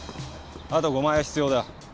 あと５枚は必要だ。